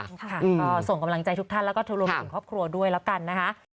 ค่ะก็ส่งกำลังใจทุกท่านแล้วก็รวมถึงครอบครัวด้วยแล้วกันนะคะ